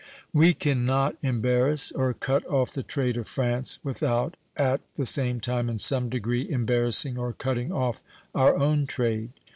We can not embarrass or cut off the trade of France without at the same time in some degree embarrassing or cutting off our own trade.